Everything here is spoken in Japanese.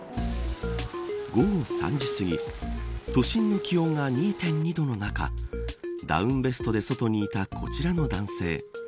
午後３時すぎ都心の気温が２．２度の中ダウンベストで外にいたこちらの男性。